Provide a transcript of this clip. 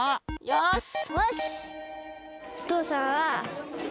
よし！